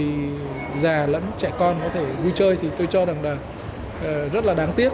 thì già lẫn trẻ con có thể vui chơi thì tôi cho rằng là rất là đáng tiếc